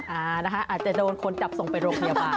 อ่านะคะอาจจะโดนคนจับส่งไปโรงพยาบาล